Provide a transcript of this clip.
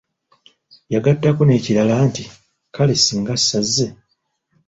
Yagattako n'ekirala nti:"kale ssinga sazze"